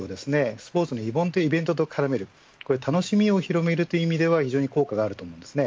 スポーツのイベントと絡める楽しみを広げるという意味では非常に効果があると思います。